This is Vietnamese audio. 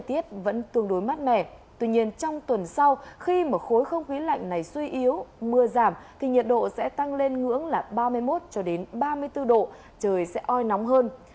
tuy nhiên trong tuần sau khi mà khối không khí lạnh này suy yếu mưa giảm thì nhiệt độ sẽ tăng lên ngưỡng là ba mươi một ba mươi bốn độ trời sẽ oi nóng hơn